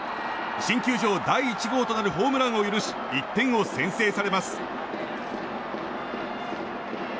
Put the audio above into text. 新球場第１号となるホームランを許し１点を先制されます。